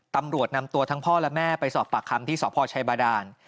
ตำรวจนำตัวทั้งพ่อและแม่ไปสอบปากคำที่สพชัยบาดาน